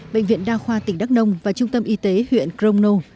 bệnh viện đa khoa tỉnh đắk nông và trung tâm y tế huyện crono